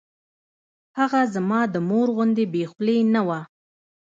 هغه زما د مور غوندې بې خولې نه وه.